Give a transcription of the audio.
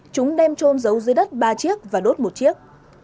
chúng đem trôn giấu dưới đất ba chiếc và đốt một chiếc